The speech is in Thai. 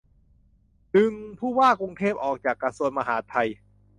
ดึง ผู้ว่ากรุงเทพ ออกจากกระทรวงมหาดไทย